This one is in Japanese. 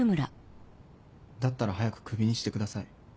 だったら早くクビにしてください